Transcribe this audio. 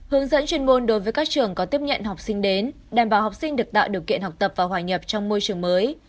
hướng dẫn chuyên môn đối với các trường có tiếp nhận học sinh đến đảm bảo học sinh được tạo điều kiện học tập và hòa nhập trong môi trường mới